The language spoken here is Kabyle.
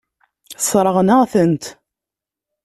Sseṛɣen-aɣ-tent.